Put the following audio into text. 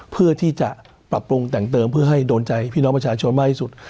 เพื่อที่จะปรับปรุงแต่งเติมเพื่อให้โดนใจพี่น้องประชาชนมากที่สุด